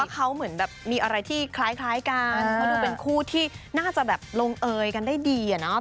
คาวนึกว่าเขามีอะไรที่คล้ายกันพอดูเป็นคู่ที่น่าจะแบบรงเอยได้ดีอ่ะเนาะ